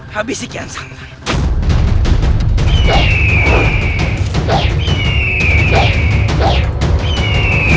habis sekian santai